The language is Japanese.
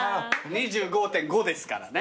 ２５．５ですからね。